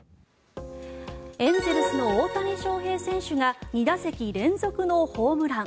エンゼルスの大谷翔平選手が２打席連続のホームラン。